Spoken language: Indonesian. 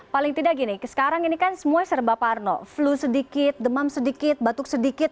paling tidak gini sekarang ini kan semua serba parno flu sedikit demam sedikit batuk sedikit